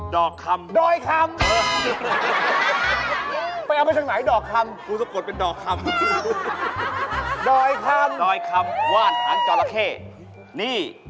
เด็กขโมยอันนี้